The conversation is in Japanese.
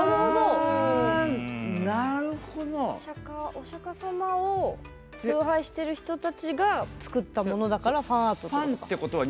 お釈迦様が崇拝してる人たちが作ったものだからファンアートってことか。